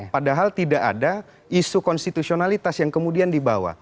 padahal tidak ada isu konstitusionalitas yang kemudian dibawa